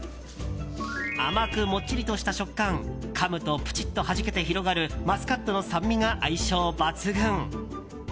甘く、もっちりとした食感かむとぷちっとはじけて広がるマスカットの酸味が相性抜群。